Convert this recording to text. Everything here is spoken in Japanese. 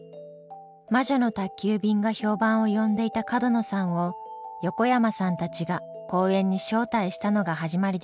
「魔女の宅急便」が評判を呼んでいた角野さんを横山さんたちが講演に招待したのが始まりでした。